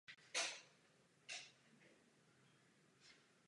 V celém zápase pak Češka vyhrála o jedenáct výměn méně.